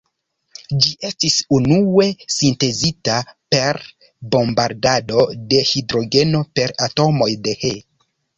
Ĝi estis unue sintezita per bombardado de hidrogeno per atomoj de He.